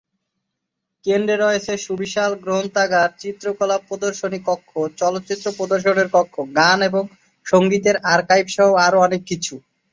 কেন্দ্রে রয়েছে সুবিশাল গ্রন্থাগার, চিত্রকলা প্রদর্শনী কক্ষ, চলচ্চিত্র প্রদর্শনের কক্ষ, গান ও সঙ্গীতের আর্কাইভ সহ আরও অনেক কিছু।